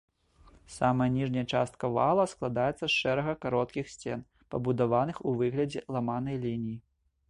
Самая ніжняя частка вала складаецца з шэрага кароткіх сцен, пабудаваных у выглядзе ламанай лініі.